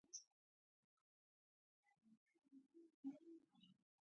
اصولي صیب مې کشر زوی دی.